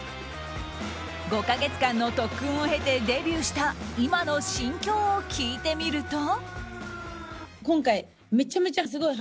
５か月間の特訓を経てデビューした今の心境を聞いてみると。